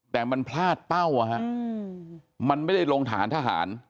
แต่มันพลาดเป้ามันไม่ได้ลงฐานทหาร